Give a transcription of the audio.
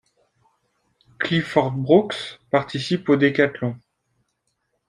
Clifford Brooks participe au décathlon.